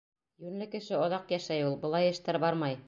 Йүнле кеше оҙаҡ йәшәй ул. Былай эштәр бармай.